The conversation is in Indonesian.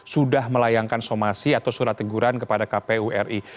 sudah melayangkan somasi atau surat teguran kepada kpu ri